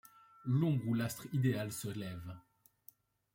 L'ombre où l'astre idéal se leve